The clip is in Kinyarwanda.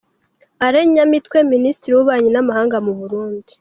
Alain Nyamitwe Minisitiri w’Ububanyi n’Amahanga mu Burundi